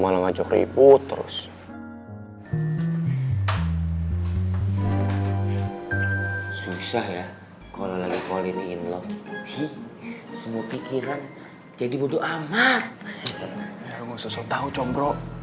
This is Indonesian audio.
lu gak usah tau combro